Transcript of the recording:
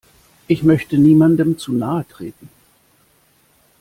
Ich möchte niemandem zu nahe treten.